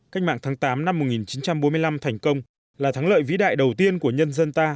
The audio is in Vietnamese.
cách mạng tháng tám năm một nghìn chín trăm bốn mươi năm thành công là thắng lợi vĩ đại đầu tiên của nhân dân ta